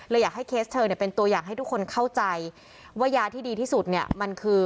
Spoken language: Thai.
อยากให้เคสเธอเนี่ยเป็นตัวอย่างให้ทุกคนเข้าใจว่ายาที่ดีที่สุดเนี่ยมันคือ